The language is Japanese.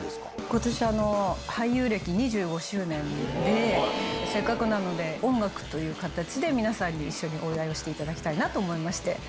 ことし俳優歴２５周年で、せっかくなので、音楽という形で皆さんに一緒にお祝いをしていただきたいなと思いまして。